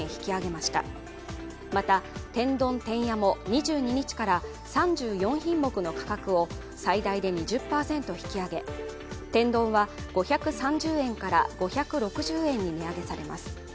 また、天丼てんやも２２日から３４品目の価格を最大で２０％引き上げ、天丼は、５３０円から５６０円に値上げされます。